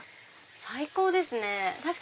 最高ですね！